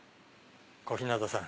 小日向さん。